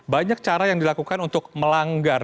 banyak cara yang dilakukan untuk melanggar